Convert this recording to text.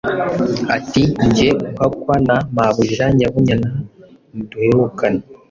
ati “Nje guhakwa na mabuja Nyabunyana ntiduherukana